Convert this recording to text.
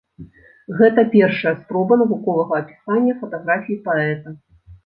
Гэта першая спроба навуковага апісання фатаграфій паэта.